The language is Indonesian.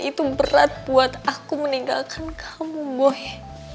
itu berat buat aku meninggalkan kamu boy